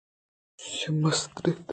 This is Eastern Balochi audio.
چد ءُ مستر اَت